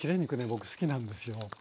僕好きなんですよ。